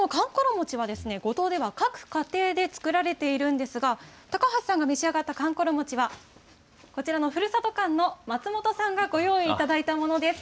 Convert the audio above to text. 餅は、五島では各家庭で作られているんですが、高橋さんが召し上がったかんころ餅はこちらのふるさと館の松本さんがご用意いただいたものです。